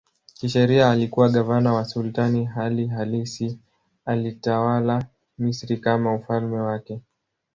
Kisheria alikuwa gavana wa sultani, hali halisi alitawala Misri kama ufalme wake.